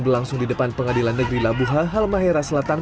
berlangsung di depan pengadilan negeri labuha halmahera selatan